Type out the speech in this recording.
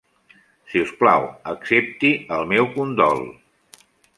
Si us plau, accepti el meu condol.